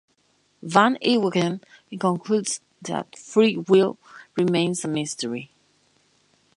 Van Inwagen concludes that Free Will Remains a Mystery.